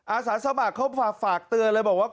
อาสาสมัครเขาฝากเตือนเลยบอกว่า